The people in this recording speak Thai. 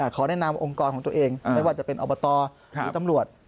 ขอแนะนำองค์กรของตัวเองไม่ว่าจะเป็นอบตหรือตำรวจ